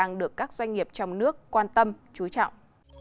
đang được các doanh nghiệp trong nước quan tâm chú trọng